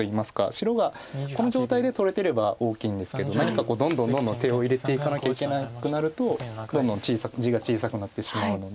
白がこの状態で取れてれば大きいんですけど何かどんどんどんどん手を入れていかなきゃいけなくなるとどんどん地が小さくなってしまうので。